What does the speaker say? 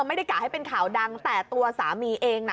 ไม่ได้กะให้เป็นข่าวดังแต่ตัวสามีเองน่ะ